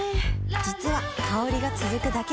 実は香りが続くだけじゃない